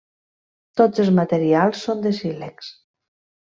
Tots els materials són de sílex.